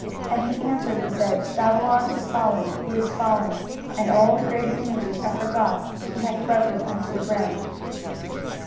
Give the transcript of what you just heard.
And he answered and said, Babylon is fallen, is fallen; and all the graven images of her gods he hath broken unto the ground.